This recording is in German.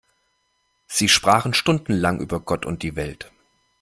Sie sprachen stundenlang über Gott und die Welt.